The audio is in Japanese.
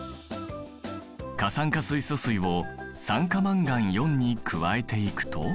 過酸化水素水を酸化マンガンに加えていくと。